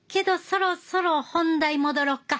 そろそろ本題戻ろっか。